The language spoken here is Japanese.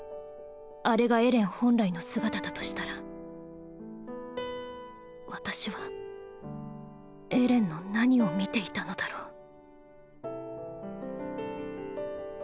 あれがエレン本来の姿だとしたら私はエレンの何を見ていたのだろう